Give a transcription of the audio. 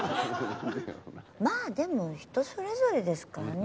まあでも人それぞれですからね。